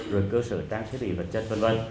rồi cơ sở trang thiết bị vật chất v v